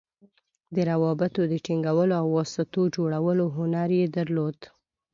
د روابطو د ټینګولو او واسطو جوړولو هنر یې درلود.